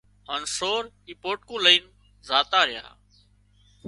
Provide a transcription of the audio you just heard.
هانَ سور اي پوٽڪون لئينَ زاتا ريا